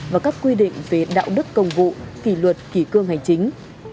và các quy định về đạo đức công vụ kỳ luật kỳ cương hành chính